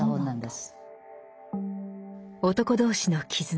「男同士の絆